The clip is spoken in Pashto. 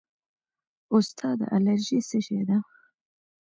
استاده الرژي څه شی ده